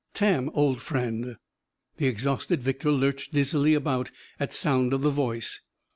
"Tam! Old friend!" The exhausted victor lurched dizzily about, at sound of the voice.